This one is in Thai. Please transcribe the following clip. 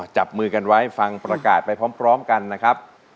จับมือกันไว้ฟังประกาศไปพร้อมกันนะครับ